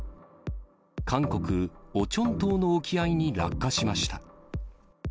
韓国・オチョン島の沖合に落下しました。